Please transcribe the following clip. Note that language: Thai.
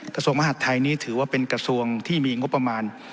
กระทรวงมหาดไทยนี้ถือว่าเป็นกระทรวงที่มีงบประมาณ